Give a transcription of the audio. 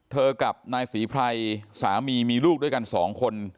กับนายศรีไพรสามีมีลูกด้วยกันสองคน